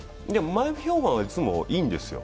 前評判は、いつもいいんですよ。